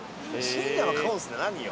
深夜はカオスって何よ。